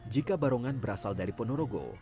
jika barongan berasal dari ponorogo